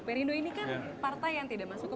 perindo ini kan partai yang tidak masuk ke